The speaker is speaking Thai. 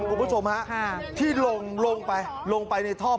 กรุงประสงค์ฮะที่ลงไปลงไปในท่อผม